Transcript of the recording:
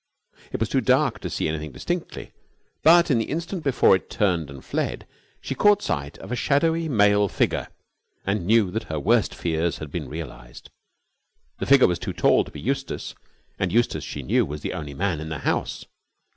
It was too dark to see anything distinctly, but, in the instant before it turned and fled, she caught sight of a shadowy male figure, and knew that her worst fears had been realised. The figure was too tall to be Eustace, and Eustace, she knew, was the only man in the house.